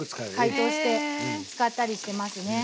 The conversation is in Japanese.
解凍して使ったりしてますね。